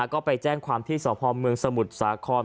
ก็ไปแจ้งความที่สพเมืองสมุทรสาคร